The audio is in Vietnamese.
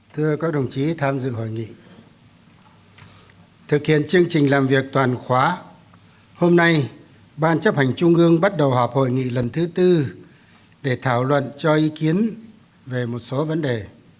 thưa các đồng chí tham dự hội nghị thực hiện chương trình làm việc toàn khóa hôm nay ban chấp hành trung ương bắt đầu họp hội nghị lần thứ tư để thảo luận cho ý kiến về một số vấn đề